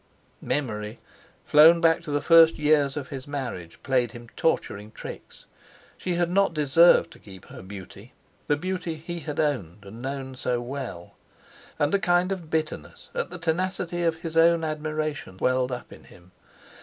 Memory, flown back to the first years of his marriage, played him torturing tricks. She had not deserved to keep her beauty—the beauty he had owned and known so well. And a kind of bitterness at the tenacity of his own admiration welled up in him.